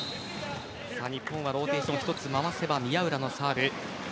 日本はローテーション一つ回せば宮浦のサーブ。